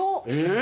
え？